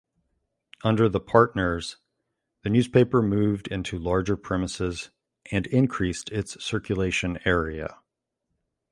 Under the partners the newspaper moved into larger premises and increased its circulation area.